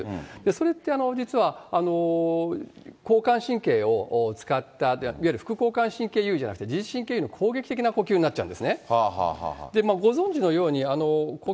それって、実は交感神経を使った、いわゆる副交感神経優位じゃなくて、自律神経優位の攻撃的な呼吸になっちゃうんですね。